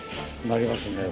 なりますね